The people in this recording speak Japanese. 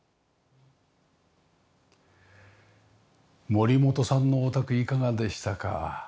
森本さんのお宅いかがでしたか？